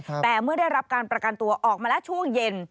แต่เมื่อได้รับการประกันตัวออกมาแล้วช่วงเย็น